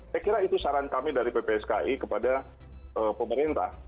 saya kira itu saran kami dari ppski kepada pemerintah